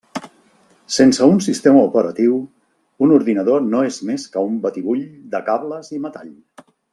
Sense un sistema operatiu, un ordinador no és més que un batibull de cables i metall.